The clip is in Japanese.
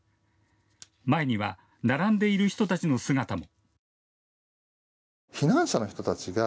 前には、並んでいる人たちの姿も。